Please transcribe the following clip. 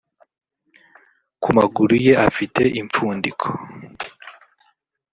ku amaguru ye afite impfundiko